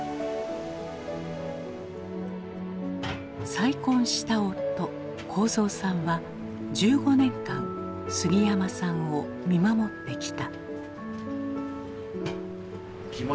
再婚した夫幸三さんは１５年間杉山さんを見守ってきた。